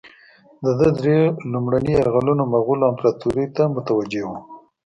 ده درې لومړني یرغلونه مغولو امپراطوري ته متوجه وه.